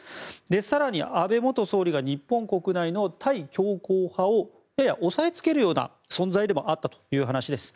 更に、安倍元総理が日本国内の対強硬派をやや押さえつけるような存在でもあったという話です。